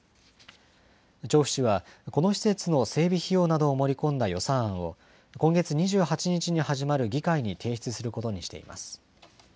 調布市はこの施設の整備費用などを盛り込んだ予算案を、今月２８日に始まる議会に提出することにしています。